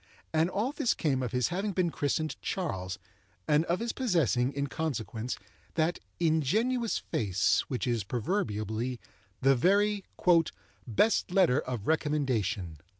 And all this came of his having been christened Charles, and of his possessing, in consequence, that ingenuous face which is proverbially the very "best letter of recommendation."